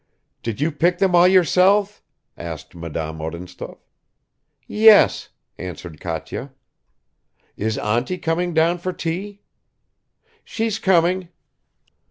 "Did you pick them all yourself?" asked Madame Odintsov. "Yes," answered Katya. "Is auntie coming down for tea?" "She's coming."